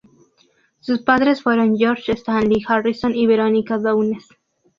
Sus padres fueron George Stanley Harrison y Veronica Downes.